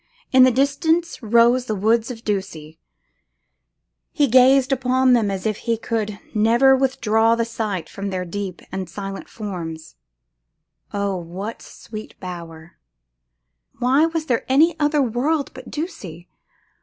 In the distance rose the woods of Ducie; he gazed upon them as if he could never withdraw his sight from their deep and silent forms. Oh, that sweet bower! Why was there any other world but Ducie?